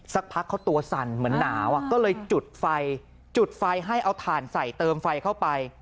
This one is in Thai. สักพักเขาตัวสั่นเหมือนหนาวก็เลยจุดไฟจุดไฟให้เอาถ่านใส่เติมไฟเข้าไป